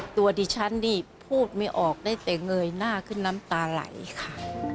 ตัวดิฉันนี่พูดไม่ออกได้แต่เงยหน้าขึ้นน้ำตาไหลค่ะ